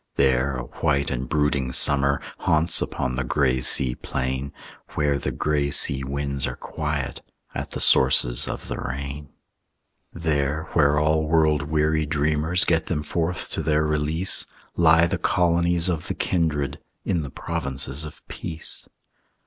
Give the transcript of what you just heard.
There a white and brooding summer Haunts upon the gray sea plain, Where the gray sea winds are quiet At the sources of the rain. There where all world weary dreamers Get them forth to their release, Lie the colonies of the kindred, In the provinces of peace.